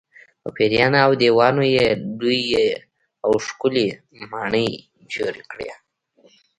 په پېریانو او دیوانو یې لویې او ښکلې ماڼۍ جوړې کړې.